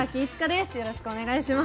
よろしくお願いします。